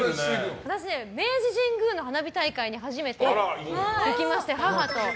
私、明治神宮の花火大会に初めて行きまして、母と。